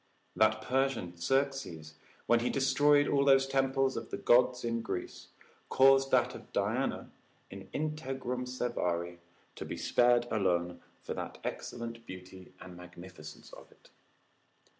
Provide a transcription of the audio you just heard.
That Persian Xerxes when he destroyed all those temples of the gods in Greece, caused that of Diana, in integrum servari, to be spared alone for that excellent beauty and magnificence of it.